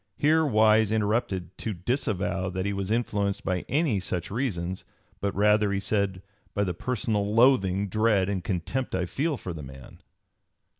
Here Wise interrupted to disavow that he was influenced by any such reasons, but rather, he said, by the "personal loathing, dread, and contempt I feel for the man."